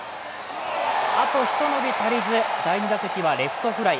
あとひと伸び足りず第２打席はレフトフライ。